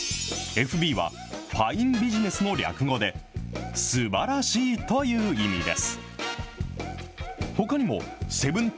ＦＢは、ファインビジネスの略語で、すばらしいという意味です。